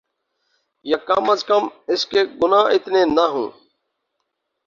یاکم ازکم اس کے گناہ اتنے نہ ہوں۔